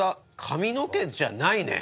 髪の毛じゃないね。